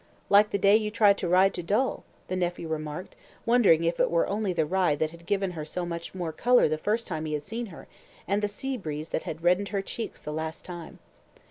"Like the day you tried to ride to Dol," the nephew remarked, wondering if it were only the ride that had given her so much more colour the first time he had seen her, and the sea breeze that had reddened her cheeks the last time.